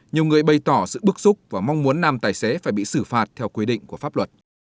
nhiều người bày tỏ sự bức xúc và mong muốn nam tài xế phải bị xử phạt theo quy định của pháp luật